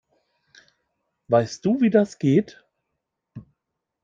Weißt du, wie das geht?